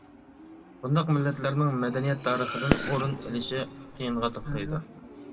بۇنداق مىللەتلەرنىڭ مەدەنىيەت تارىخىدىن ئورۇن ئېلىشى قىيىنغا توختايدۇ.